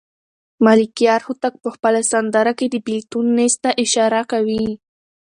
ملکیار هوتک په خپله سندره کې د بېلتون نیز ته اشاره کوي.